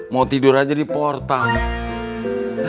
mau tidur aja di portal